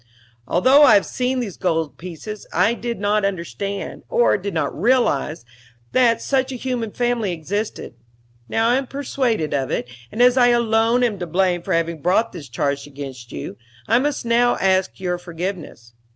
Although I had seen these gold pieces I did not understand, or did not realize, that such a human family existed: now I am persuaded of it, and as I alone am to blame for having brought this charge against you, I must now ask your forgiveness.